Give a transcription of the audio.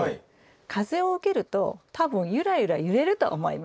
風を受けると多分ゆらゆら揺れると思います。